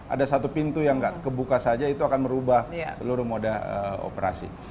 ada satu pintu yang nggak kebuka saja itu akan merubah seluruh moda operasi